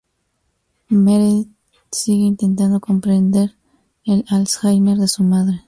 Meredith sigue intentando comprender el Alzheimer de su madre.